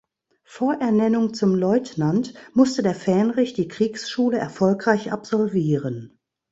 Vor Ernennung zum Leutnant musste der Fähnrich die Kriegsschule erfolgreich absolvieren.